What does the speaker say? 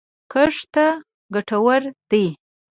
کښت ته ګټور دی